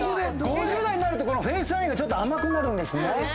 ５０代になるとフェイスラインが甘くなるんですね。